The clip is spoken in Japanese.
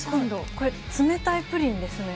これ、冷たいプリンですね。